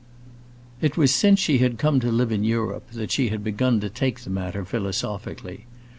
It was since she had come to live in Europe that she had begun to take the matter philosophically.